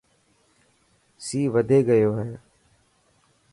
سي وڌي گيو هي.